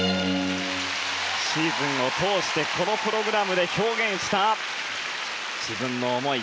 シーズンを通してこのプログラムで表現した、自分の思い